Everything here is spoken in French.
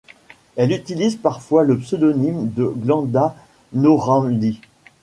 Elle utilise parfois le pseudonyme de Glenda Noramly.